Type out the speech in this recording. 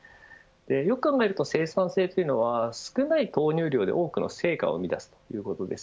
よく考えると生産性というのは少ない投入量で、多くの成果を生み出すということです。